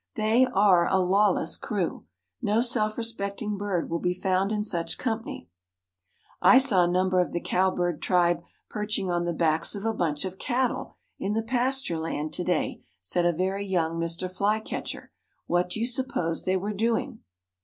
They are a lawless crew. No self respecting bird will be found in such company." "I saw a number of the cowbird tribe perching on the backs of a bunch of cattle in the pasture land to day," said a very young Mr. Flycather. "What do you suppose they were doing?"